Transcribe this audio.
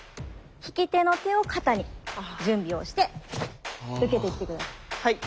引き手の手を肩に準備をして受けてきて下さい。